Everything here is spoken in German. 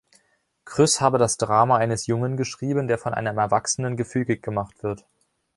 Krüss habe das Drama eines Jungen geschrieben, der von einem Erwachsenen gefügig gemacht wird.